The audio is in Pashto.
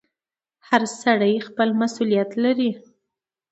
• هر سړی خپل مسؤلیت لري.